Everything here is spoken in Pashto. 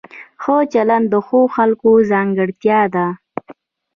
ښه چلند د ښو خلکو ځانګړتیا ده.